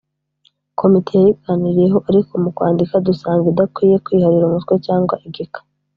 Komite yayiganiriyeho, ariko mu kwandika, dusanga idakwiye kwiharira umutwe cyangwa igika,